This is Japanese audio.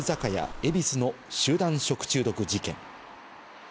えびすの集団食中毒事件。